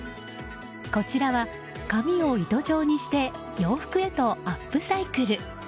こちらは紙を糸状にして洋服へとアップサイクル。